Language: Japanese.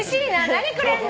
何くれるの？